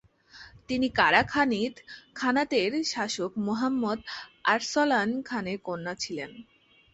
তিনি কারা-খানিদ খানাতের শাসক মুহাম্মদ আরসলান খানের কন্যা ছিলেন।